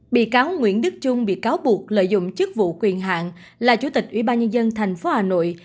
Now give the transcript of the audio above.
bị cáo nguyễn đức trung bị cáo buộc lợi dụng chức vụ quyền hạng là chủ tịch ủy ban nhân dân thành phố hà nội